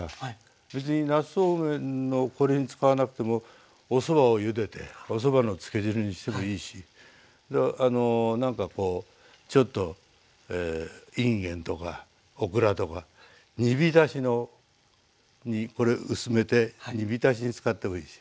別になすそうめんのこれに使わなくてもおそばをゆでておそばのつけ汁にしてもいいしなんかこうちょっとインゲンとかオクラとか煮浸しにこれ薄めて煮浸しに使ってもいいし。